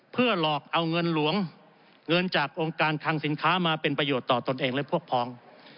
เพื่อหลอกเอาเงินหลวงเงินจากองค์การคังสินค้ามาเป็นประโยชน์ต่อตนเองและพวกพ้อง